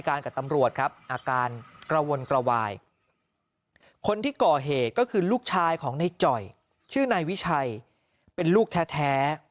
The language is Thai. กระวนกระวายคนที่ก่อเหตุก็คือลูกชายของในจ่อยชื่อในวิชัยเป็นลูกแท้